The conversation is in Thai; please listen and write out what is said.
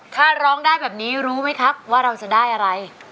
ถ้าร้องได้แบบนี้รู้ไหมครับว่าเราจะได้อะไร